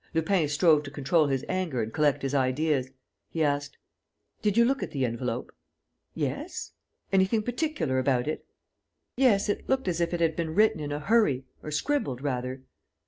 Lupin strove to control his anger and collect his ideas. He asked: "Did you look at the envelope?" "Yes." "Anything particular about it?" "Yes, it looked as if it had been written in a hurry, or scribbled, rather."